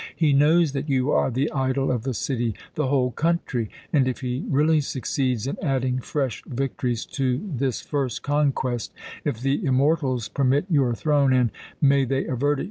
He knows that you are the idol of the city, the whole country; and if he really succeeds in adding fresh victories to this first conquest, if the immortals permit your throne and may they avert it!